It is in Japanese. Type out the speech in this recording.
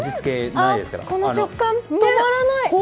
この食感、たまらない！